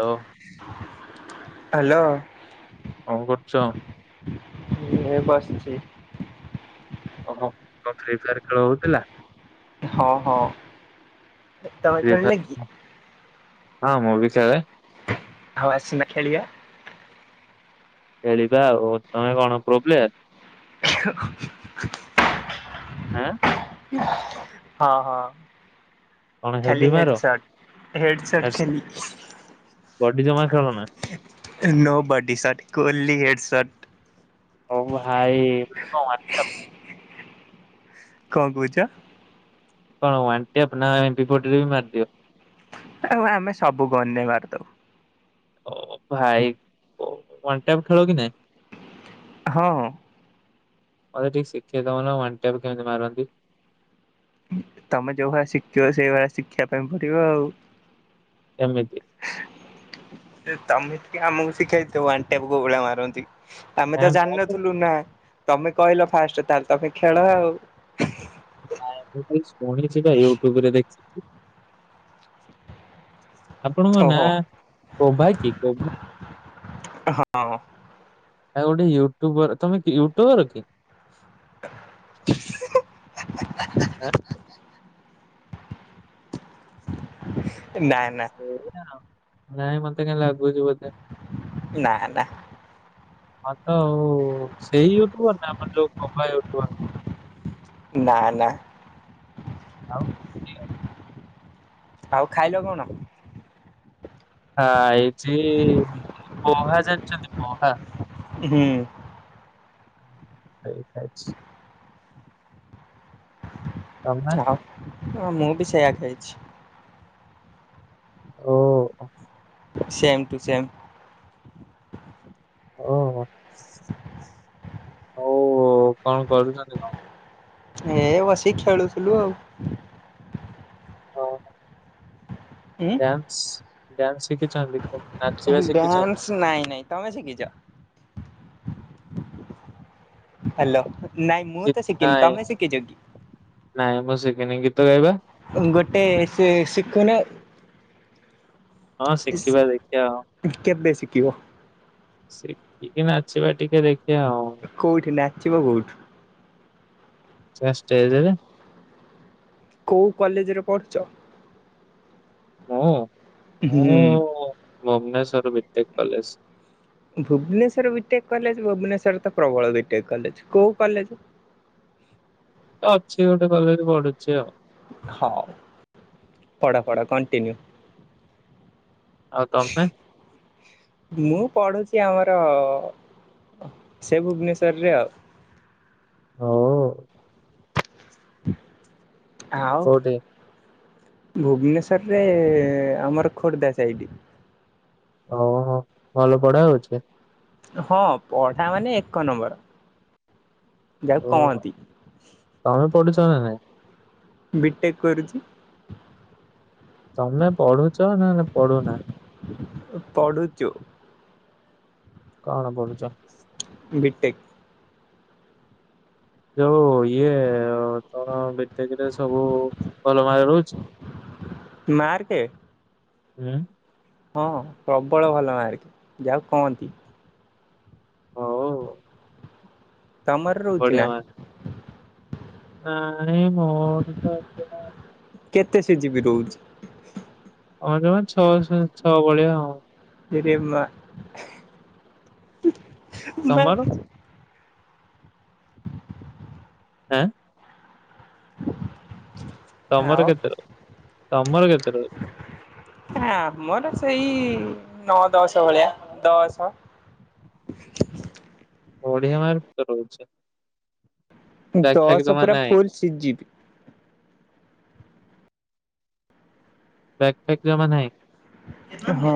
ଆଉ ହାଲୋ। କଣ କରୁଚ? ଏଇ ମୁଁ ବସଚି। ଓହୋ କଁ ଫ୍ରି ଫାୟାର ଖେଳ ହୋଉଥିଲା? ହଁ ହଁ ତମେ ଫ୍ରି ଖେଳୁନ କି? ଫାୟାର ହଁ ମୁଁ ବି ଖେଳେ। ଆଉ ଆସୁନା ଖେଳିବା। ଖଳିବା ଆଉ ତମେ କଣ ପ୍ରୋପ୍ଲେୟାର? [unintelligible] ଆଁ! ହଁ ହଁ! କଣ ହେଭି ଖାଲି ମାର? ହେଡ୍ ସର୍ଟ ହେଡ୍ ସର୍ଟ ଖାଲି। ବଡି ଜମା ଖେଳୁ ନା? No body short only head short. ଓ ଭାଇ କ। [unintelligible] କଣ କହୁଚ? କଣ [unintelligible] ରେ ବି ମାରିଦିଅ। ଆଉ ଆମେ ସବୁ ଗନ୍ ମାରିଦୋଉ। ଓ ଭାଇ ୱାନ ଟାଇପ୍ ଖେଳ କି ନାଇଁ? ହଁ! ମତେ ଟିକେ ଶିଖେଇ ଦୋଉନ ୱାନ୍ ଟାଇପ୍ କେମିତି ମାରନ୍ତି। ତମେ ଯୋଉ ଭଳିଆ ଶିଖିଥିବ ସେଇଭଳିଆ ଶିଖିବା ପାଇଁ ପଡିବ ଆଉ। ଏମିତି। ସେ ତମେ ଟିକେ ଆମକୁ ଶିଖେଇ ଦିଅ ୱାନ୍ ଟାଇପ୍ କୌଭଳିଆ ମାରନ୍ତି। ଆମେ ନାଇଁ ତ ମୁଁ ଜାଣିନଥିଲୁ ଶିଖିନି ନା। ତମେ କହିଲ ଫାଷ୍ଟ ତାହେଲେ ତମେ ଖେଳ ଆଉ। ନାଇଁ ତୁ ଖାଇଚୁ। ମୁଁ ନିଜେ ପା ୟୁଟ୍ୟୁବ ରେ ଦେଖିଥିଲି। ଆପଣଙ୍କ ନାଁ ଓହୋ କୋଭା କି କୋଭା? ହଁ। ଆ ଗୋଟେ ୟୁଟୁବର, ତମେ କି ୟୁଟୁବର କି? [unintelligible] ଆଁ। [inaudible] ନା ସେଗୁରା। [unintelligible] ନାଇଁ ମତେ କାଇଁ ଲାଗୁ ନା ନା। ହଁ ତ ଆଉ ସେଇ କୁହ ନା ଆମର ଯୋଉ। [unintelligible] କୁ ନା ନା। [inaudible] ଆଉ ଖାଇଲ କଣ? ହାଁ ଏଇଠି ପୋହା ଜାଣିଚନ୍ତି ପୋହା। ଉହୁଁ। [unintelligible] ତମେ ଚାଁହା ହଁ ମୁଁ ବି ସେୟା ଖାଇଛି ଓ ସେମ୍ ଟୁ ସେମ୍ [inaudible] ଓହୋଃ ହଉ କଣ କରୁଛନ୍ତି କଣ ଏ ବସି ଖେଳୁଥିଲୁ ଆଉ ଓହୋ ଉଁ ଡ୍ୟାନ୍ସ ଡ୍ୟାନ୍ସ ଶିଖିଛନ୍ତି? ନାଚିବା ଶିଖିଛନ୍ତି? ଡ୍ୟାନ୍ସ ନାଇଁ ନାଇଁ ତମେ ସିକିି ଚ? ହାଲୋ ନାଇଁ ମୁଁ ଗୀ ତ ଶିକିନି ନାଇଁ ତମେ ଶିକିଛ କି? ନାଇଁ ମୁଁ ଶିକିନି ଗୀତ ଗାଇବା। ଗୋଟେ ସେ ଶିଖୁନୁ। ହଁ ଶିଖିବା ଦେଖିବା ଆଉ କିଓ ସେଟ୍ ଟିକେ ନାଚିବା ଟିକେ ଦେଖିବା ଆ [unintelligible] କୋଉଠି ନାଚିବ କୋଉଠୁ? ସ୍ ଷ୍ଟେଜେରେ କୋଉ କଲେଜ ରେ ପଢୁଛ? ହଁ ହୁଁ ଓଅ Bhubaneswar B take college Bhubaneswar BTech college Bhubaneswar ତ ପ୍ରବଳ ବିଟେକ୍ କଲେଜ କୋଉ କଲେଜ? ଅଛି ଗୋଟେ କଲେଜ ପଡୁଛି ଆଉ ହଁ ପଢ ପଢ଼ କଣ୍ଟିନ୍ୟୁ ଆଉ ତମେ? ଛିଁ ମୁଁ ପଢୁଛି ଆମର୍ ତ ସେ ଭୁବନେଶର୍ରେ ଅ ହଁ ହୁଁ ଆଉ କୋଉଠି? ଭୁବନେଶ୍ଵରରେ ଆମର ଖୋର୍ଦ୍ଧା ସାଇଡ ଓହୋ ଭଲ ପଢା ଅଛ ହଁ ପଢା ମାନେ ଏକ ନମ୍ବର ଯାହାକୁ ଓ କହନ୍ତି ଆମେ ପଠେଛଁ ବିଟେ କ କରିରିଛି ତମେ ପଢୁଛ ନା ପଢ଼ୁ ନା ପଡ଼ୁଚୁ କାଣ ପଡୁଛ ମିଟେ ଯଉ ଇଏ ଆ ତ ଭଟକିରେ ସବୁ ଭଲ ମାର ରହୁଛି ମାର୍କେ ହୁଁ। ହଁ ପ୍ରବଳ ଭଲ ମାର୍କେ ଯାହାକୁ କହନ୍ତି। ହଉ ତମର ରହୁଛି ନା? ନାଇ ମୋର [unintelligible] କେତେ ସ ଯିବି ରହୁଛି? ହ ଜମା ଛଅ ଛଅ ଭଳିଆ ଆଉ। [unintelligible] ତମର? [unintelligible] ଆଁ। ତମର ଆଉ କେତେ ରହୁଛି ତମର କେତେ ରହୁଛି? ଆମର ସେଇ ନଅ ଦଶ ଭଳିଆ ଦଶ। ଓଡ଼ିଆ ମାର୍କ କେତେ ରହୁଛି। ବ୍ୟାଗଫ୍ୟାଗ ଦଶ ଜମା ପୁରା ନାହିଁ। ଫୁଲ ସି ଯିବି। ବ୍ୟାକ ଫ୍ୟାକ ଜମା ନାହିଁ? ହଁ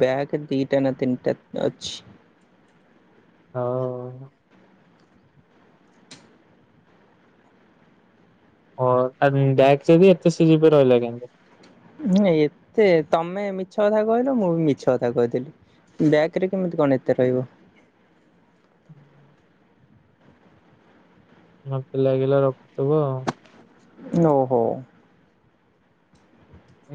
ବ୍ୟାକ ଦିଟା ନା ତିନିଟା ଅଛି। ହଉ। ଓ ବ୍ୟାକ ଯଦି ଏତେ ସି ଜି ରହିଲା କେମିତି? ନଁ ଏତେ ତମେ ମିଛ କଥା କହିଲ ମୁଁ ବି ମିଛ କଥା କହିଦେଲି ବ୍ୟାଗ ରେ କେମିତି କଣ ଏତେ ରହିବ। ମତେ ଲାଗିଲା ରଖୁଥବ। ଓହୋ।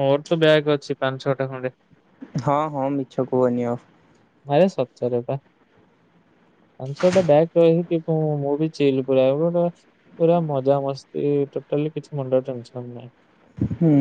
ମୋର ତ ବ୍ୟାଗ୍ ଅଛି ପାଞ୍ଚ ଛଅ ଟା ଖଣ୍ଡେ ହଁ ହଁ ମିଛ କୁହନି ଆଉ। ଆରେ ସତରେ ବା। ଆ ବ୍ୟାଗ ଫ୍ୟାଗ ହ୍ନି ମୁଁ [unintelligible] ପୁରା ମଜା ମସ୍ତି ଟୋଟାଲି କିଛି ମୁଣ୍ଡ ଟେନସନ ନାଇଁ। ହୁଁ।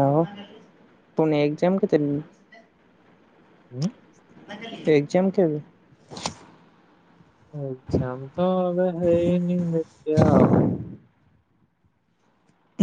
ଆଉ ତାହାନେ ଏକ୍ଜାମ କେତେଦିନି? ହୁଁ। ଏକ୍ଜାମ କେବେ? ଏଗଜାମ ତ ଏବେ ହେଇନି ହେବେ ଆଉ।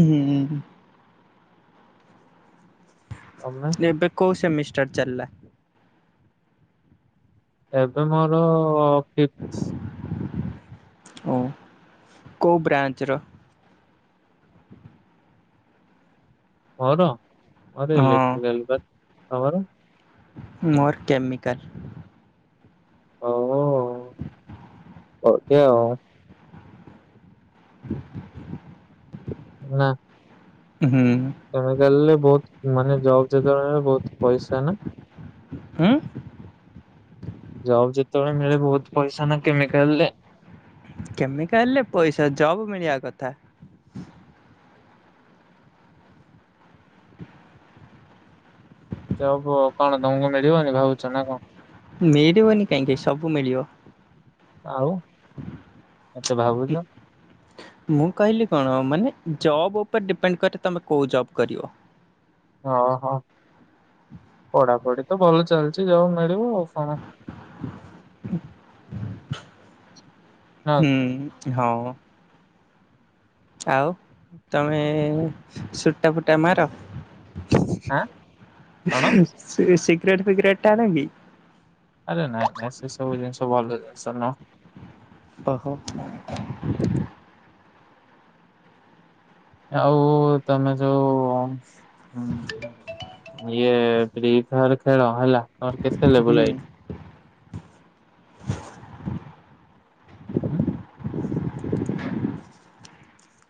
ହୁଁ। ତମେ? ଏବେ କ ସେମିଷ୍ଟର ଚାଲିଲା। ଏବେ ମୋର ଫିଥ। ଓ କଉ ବ୍ରାଞ୍ଚର? [unintelligible] [unintelligible] ହଁ ଲେଖିଦେଲି ବା ଆଉ। ମୋର କେମିକାଲ। ଓହଃ ହୋ। ତି ଆଉ। ହୁଁ ନାଁ। ହୁଁ। କେମିକାଲରେ ବହୁତ ମାନେ ଜବ ଯୋଜନାରେ ବହୁତ ପଇସା ନା? ହୁଁ। ଯାଅ ଯେତେବେଳେ ମିଳେ ବହୁତ ପଇସା ନା କେମିକାଲରେ। କେମିକାଲରେ ପଇସା ଜବ ମିଳିବା କଥା। [inaudible] ତ ହବୁ କଣ ତମକୁ ମିଳିବନି ଭାବୁଛ ନା କଣ? ମିଳିବନି କାହିଁକି ସବୁ ମିଳିବ। ଆଉ [inaudible] ଏତେ ଭାବୁଛ। ମୁଁ କହିଲି କଣ ମାନେ ଜବ ଉପରେ ଡିପେଣ୍ଡ କରେ ତମେ କୋଉ ଜବ କରିବ। ଓ ହୋ [inaudible] ପଢାପଢି ତ ଭଲ ଚାଲିଛି ଯୋଉ ମିଳିବ ଆଉ କଣ? ହ ନା [inaudible] କି? ହୁଁ। ହଁ। ଆଉ ତମେ ସୁଟା ଫୁଟା ମାର। [inaudible] ଆଁ କଣ ସେ ଶ ସିଗରେଟ ଫିଗରେଟ ଟାଣେକି? ଆରେ ନାଇଁ ନାଇଁ ସେ ସବୁ ଜିନିଷ ଭଲ ଜନିିଷ ନୁହଁ। ଓହୋ। ଆଉ ତମେ ଯୋଉ ହଁ ଇଏ ଫି ଫାୟାର ଖେଳ ହେଲା। ତମର କେତେ ହୁଁ ଲେବୁଲ ଆଇ [inaudible] ହୁଁ।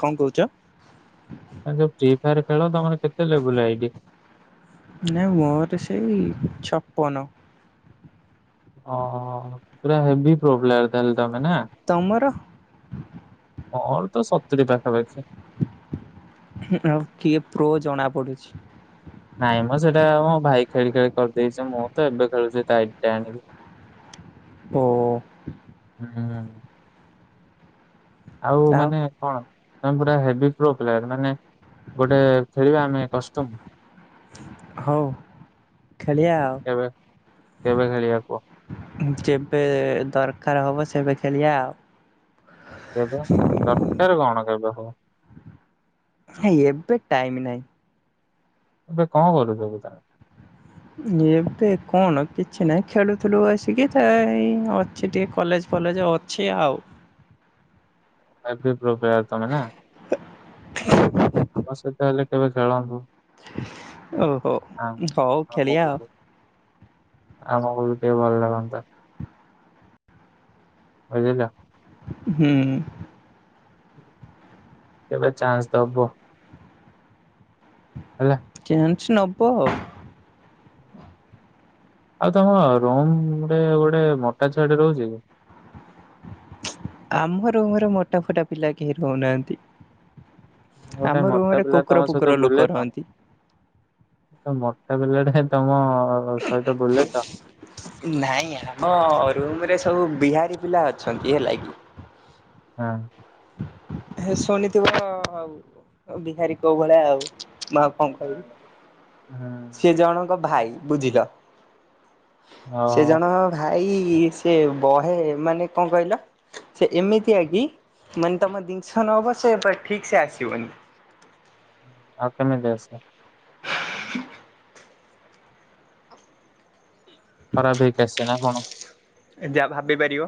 [inaudible] କଣ କହୁଛ। [unintelligible] ତାପରେ ଖେଳ ତମର କେତେ ଲେବୁଲ ଆଇଡି? [inaudible] ନାଇ ମୋର ସେଇ ଛପନ। ଅ ହଁ ପୁରା ହେବି ପ୍ରୋପ୍ଲେୟର ତାହେଲ। ତମର। ମୋର ତ ସତୁରୀ ପାଖାପାଖି। [inaudible] ଆଉ କିଏ ପ୍ରୋ ଜଣା ପଡୁଛି। ନାଇଁ ମ ସେଟା ମୋ ଭାଇ ଖେଳି ଖେଳି କରିଦେଇଛି। ମୁଁ ତ ଏବେ ଖେଳୁଛି ତା ଆଇ ଡି ଟା ଆଣିକି। ଓ। ହୁଁ ହୁଁ। ଆଉ ମାନେ କଣ? ତମେ ପୁରା ହେବି ପ୍ରୋ ପ୍ଲେୟର ମାନେ ଗୋଟେ ଖେଳିବା ଆମେ କଷ୍ଟ୍ୟୁମ। [inaudible] ହଉ ଖେଳିଆ କେବେ କେବେ ଖେଳିବା କୁହ ଆଉ କେବେ ଦରକାର ହବ ସେ ସେବେ ଖେଳିଆ ଆଉ। କେବେ ଦରକାର କଣ। ତୋ ପାଖକୁ। ଏଇ ଏବେ ଟାଇମ ନାଇ। ଏବେ କଣ କରୁ ସବୁ ତା। ଏବେ କଣ କିଛି ନାହିଁ ଖେଳୁଥିଲୁ ବସିକି ତ ଏଇ ଅଛି ଟିକେ କଲେଜ ଫଲେଜ ଅଛି ଆଉ। ଏ ବି ପ୍ରୋ ପ୍ଲେୟର ତମେ ନା। ଠିକ। ଆମ ସହିତ ହେଲେ କେବେ ଖେଳନ୍ତୁ। [inaudible] ଓହୋ ଆ ହଉ ଖେଳିଆ ଆଉ। ଆମକୁ ଆମକୁ ବି ଟିକେ ଭଲ ଲାଗନ୍ତା। ବୁଝିଲ। ହୁଁ। କେବେ ଚାନ୍ସ ଦବ। ହେଲା। ଚାଁ। ନବ ଆଉ। ଆଉ ତମ ରୁମରେ ଗୋଟେ ମୋଟା ଛୁଆ ଟା ରହୁଛି କି। ଆମର ରୁମ ରେ ମୋଟା ଫୋଟା ପିଲା କେହି ରହୁନାହାନ୍ତି। ମାନେ ଗୋଟେ ଆମ ମୋଟା ରୁମରେ ପିଲା କୁକୁର ତମ ଫୁକୁର ସହିତ ଲୋକ ବୁଲେ ତ ରହନ୍ତି। ଗୋଟେ ମ ମୋଟା ପିଲା ଟେ ତମ। ସହିତ ବୁଲେ ତ? ନାଇଁ ଆମ ରୁମ ରେ। ସବୁ ବିହାରୀ ପିଲା ଅଛନ୍ତି ହେଲା କି। ହଁ। ଶୁଣିଥିବ ଆଉ ବିହାରୀ କୋଉ ଭଳିଆ ଆଉ। ମୁଁ ଆଉ କଣ କହିବି ହୁଁ ସିଏ ଜଣଙ୍କ ଭାଇ। ବୁଝିଲ। ସେ ଓହୋ ଜଣକ ଖା ଏଇ ସେ ବହେ ଏମାନେ କଣ କହିଲ ସେ ଏମିତି ଆ କି ମାନେ ତମ ଦିିନସ ନଵ ସେ ଠିକ ସେ ଆସିବନି। ଆଉ କେମିତି ଆସେ। [unintelligible] ଖରାପ ହେଇକି ଆସିଛି ନା କଣ? ଯାହା ଭାବି ପାରିବ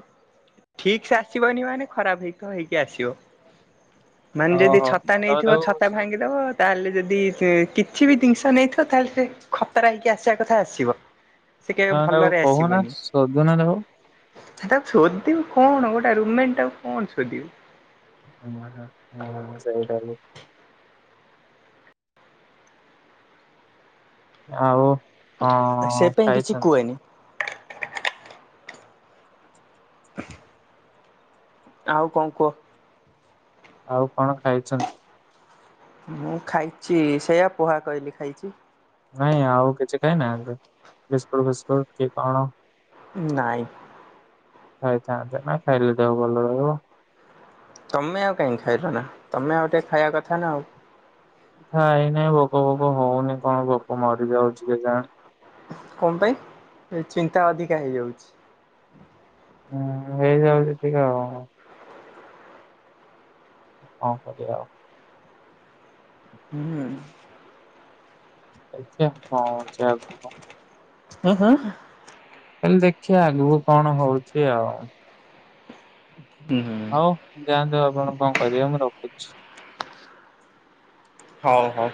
ଠିକ ସେ ଆସିବନି ମାନେ ଖରାପ ହେଇକ ହେଇକି ଆସିବ। ମାନେ ଯଦି ଓହୋ ଛତା ତମେ ନେଇଥିବ ତାକୁ ଛତା ଭାଙ୍ଗିଦବ। ତାହେଲେ ଯଦି କିଛି ବି ଜିନିଷ ନେଇଥିବ ତାହେଲେ ସେ ଖତରା ହେଇକି ଆସିବା କଥା ଆସିବ ସେ କେବେ ହ ଆଉ ଭଲରେ କହୁନା ଆସିବନି। ସୋଧୁନା ତାକୁ। ତାକୁ ସୋଦିବୁ କଣ ଗୋଟେ ରୁମମେଣ୍ଟଟାକୁ କଣ ସୋଦିବୁ। ହଁ ହ ହଁ ହ ସେଇଟା କୁ ଆଉ। ସେ କଣ ପାଇଁ କିଛି ଖାଇଛନ୍ତି? କୁହେନି। [unintelligible] ଆଉ କଣ କୁହ? ଆଉ କଣ ଖାଇଛନ୍ତି? ମୁଁ ଖାଇଛି ସେୟା ପୋହା କହିଲି ଖାଇଛି। ନାଇଁ ଆଉ କିଛି ଖାଇଁ ନା ଏ ବିସ୍କୁଟ ଫିସ୍କୁଟ କି କଣ? ନାଇଁ। ଖାଇଥାନ୍ତେ ନା ଖାଇଲେ ଦେହ ଭଲ ରହିବ। ତମେ ଆଉ କାହିଁକି ଖାଇଲ ନା ତମେ ଆଉ ଟିକେ ଖାଇବା କଥା ନା ଆଉ। ଖାଇ ନାହିଁ ଭୋକ ଫୋକ ହଉନି କଣ ଭୋକ ମରି ଯାଉଛି କେଜାଣି। କଣ ପାଇଁ ଏ ଚିନ୍ତା ଅଧିକା ହେଇଯାଉଛି। ହୁଁ ହେଇଯାଉଛି ଟିକେ ଆଉ। କଣ କରିବା ଆଉ। ହୁଁ। ଦେଖିଆ କଣ ହଉଚି ଆଗକୁ। ହଁ ହଁ। କାଲି ଦେଖିବା ଆଗକୁ କଣ ହଉଛି ଆଉ। ହଉ ଯାଆନ୍ତୁ। କଣ କଣ କରିବା ମୁଁ ରଖୁଛି। ହଉ ହଉ।